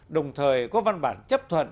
đồng thời có văn bản chấp thuận